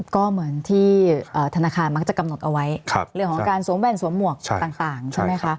ก็เหมือนที่ธนาคารมักจะกำหนดเอาไว้เรื่องของการสวมแว่นสวมหมวกต่างใช่ไหมคะ